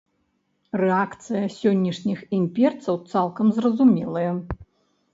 Рэакцыя сённяшніх імпарцёраў цалкам зразумелая.